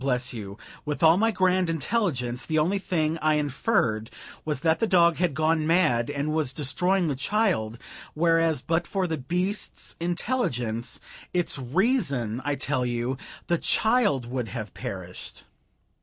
bless you, with all my grand intelligence, the only thing I inferred was that the dog had gone mad and was destroying the child, whereas but for the beast's intelligence it's REASON, I tell you! the child would have perished!"